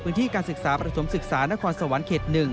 ที่การศึกษาประถมศึกษานครสวรรค์เขต๑